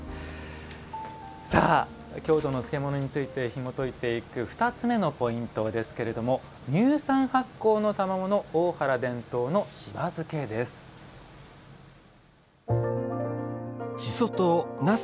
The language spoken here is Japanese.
京都の漬物についてひもといていく２つ目のポイントですけれども「乳酸発酵のたまもの大原伝統のしば漬け」です。